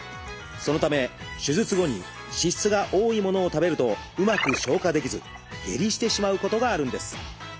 そのため手術後に脂質が多いものを食べるとうまく消化できず下痢してしまうことがあるんです。